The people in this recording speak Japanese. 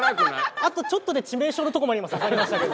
あとちょっとで致命傷のとこまで今刺さりましたけど。